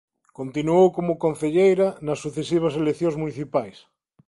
Continuou como concelleira nas sucesivas eleccións municipais.